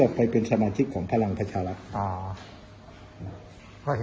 เพื่อไปเป็นชีวิตของธรรมัฐชาวรัดอ๋อเพราะ